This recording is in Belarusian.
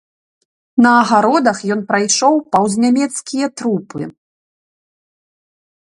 На агародах ён прайшоў паўз нямецкія трупы.